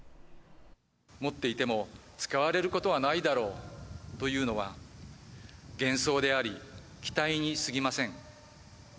持っていても使われることはないだろうというのは、幻想であり、期待にすぎません。